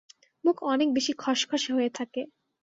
মুখ অনেক বেশি খশখশা হয়ে থাকে।